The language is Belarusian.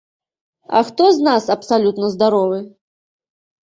А хто з нас абсалютна здаровы?